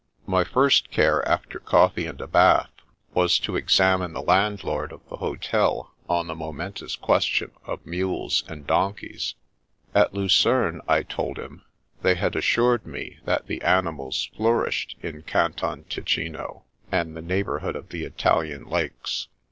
My first care, after coffee and a bath, was to ex 72 The Princess Passes amine the landlord of the hotel on the momentous question of mules and donkeys. At Lucerne, I told him, they had assured me that the animals " flour ished " in Canton Ticino and the neighbourhood of the Italian Lakes.